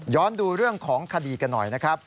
ดูเรื่องของคดีกันหน่อยนะครับ